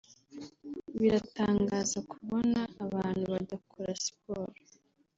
Biratangaza kubona abantu badakora siporo